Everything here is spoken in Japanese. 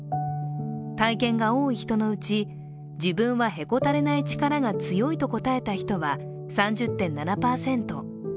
体験が多い人のうち、自分はへこたれない力が強いと答えた人は３０．７％。